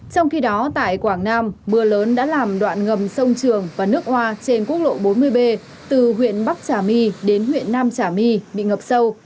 trong khi đó tại quảng nam mưa lớn đã làm đoạn ngầm sông trường và nước hoa trên quốc lộ bốn mươi b từ huyện bắc trà my đến huyện nam trà my bị ngập sâu